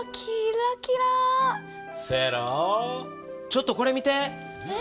ちょっとこれ見て。